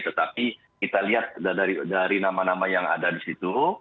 tetapi kita lihat dari nama nama yang ada di situ